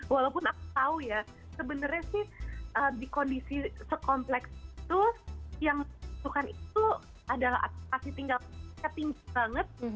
walaupun aku tahu ya sebenarnya sih di kondisi sekompleks itu yang menentukan itu adalah kasih tinggal banget